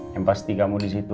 yang pasti kamu disitu